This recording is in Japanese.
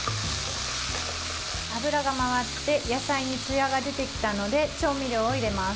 油が回って野菜につやが出てきたので調味料を入れます。